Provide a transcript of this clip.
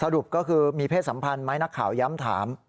รุปก็คือมีเพศสัมพันธ์ไหมนักข่าวย้ำถาม